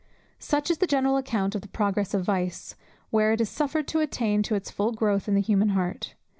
Such is the general account of the progress of vice, where it is suffered to attain to its full growth in the human heart.